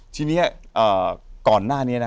ทีนี้ก่อนหน้านี้นะ